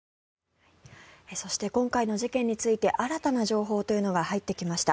そして今回の事件について新たな情報というのが入ってきました。